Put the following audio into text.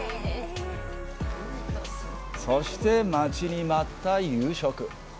そして、待ちに待った夕食。